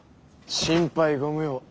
心配ご無用。